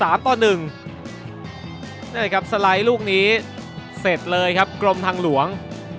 นี่แหละครับสไลด์ลูกนี้เสร็จเลยครับกรมทางหลวง